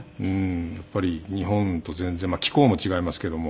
やっぱり日本と全然気候も違いますけども。